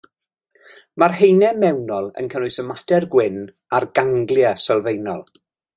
Mae'r haenau mewnol yn cynnwys y mater gwyn, a'r ganglia sylfaenol.